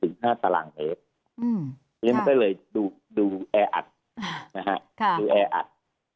เพราะฉะนั้นมันไปเลยดูแอร์อัด